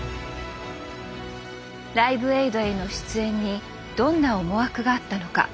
「ライブエイド」への出演にどんな思惑があったのか。